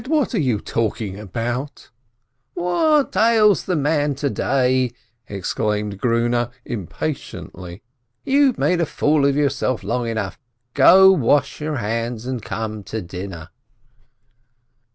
What are you talking about ?" "What ails the man to day I" exclaimed Grune, im patiently. "You've made a fool of yourself long enough ! Go and wash your hands and come to dinner